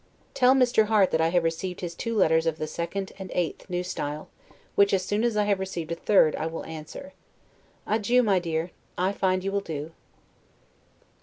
Tell Mr. Harte that I have received his two letters of the 2d and 8th N. S., which, as soon as I have received a third, I will answer. Adieu, my dear! I find you will do.